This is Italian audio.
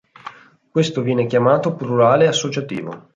Questo viene chiamato plurale associativo.